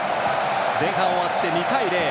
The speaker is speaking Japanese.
前半終わって２対０。